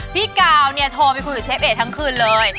พี่กาวเนี่ยโทรไปคุยกับเชฟเอกทั้งคืนเลย